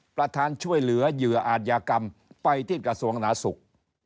ประธานช่วยเหลือเหยื่ออาจยากรรมไปที่กระทรวงหนาสุข